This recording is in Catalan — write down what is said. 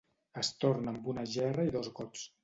En torna amb una gerra i dos gots.